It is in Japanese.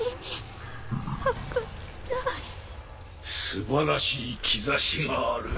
素晴らしい兆しがある。